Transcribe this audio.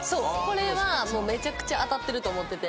これはもうめちゃくちゃ当たってると思ってて。